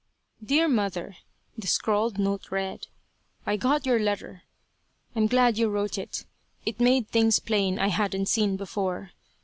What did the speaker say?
"Dear mother," the scrawled note read. "I got your letter. I'm glad you wrote it. It made things plain I hadn't seen before.